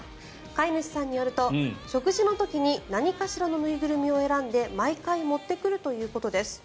飼い主さんによると、食事の時に何かしらの縫いぐるみを選んで毎回持ってくるということです。